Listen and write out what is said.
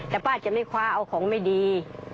แต่ป้าจะไม่คว้าเอาของไม่ดี